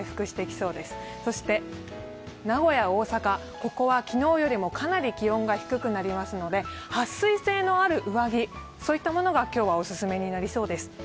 そして名古屋、大阪ここは昨日よりもかなり気温が低くなりますのではっ水性のある上着が今日はお勧めになりそうです。